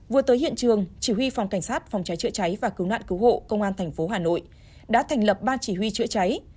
vừa tới hiện trường chỉ huy phòng cảnh sát phòng cháy chữa cháy và cứu nạn cứu hộ công an tp hà nội đã thành lập ban chỉ huy chữa cháy